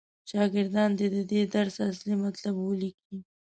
شاګردان دې د دې درس اصلي مطلب ولیکي.